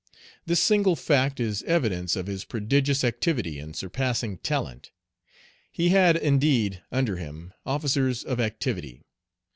This single fact is evidence of his prodigious activity and surpassing talent. He had, indeed, under him, officers of activity.